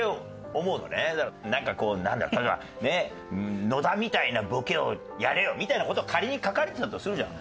なんかこう例えば「野田みたいなボケをやれよ」みたいな事を仮に書かれてたとするじゃん。